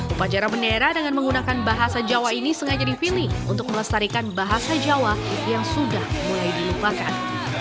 upacara bendera dengan menggunakan bahasa jawa ini sengaja dipilih untuk melestarikan bahasa jawa yang sudah mulai dilupakan